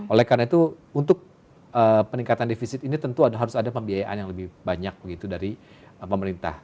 oleh karena itu untuk peningkatan defisit ini tentu harus ada pembiayaan yang lebih banyak begitu dari pemerintah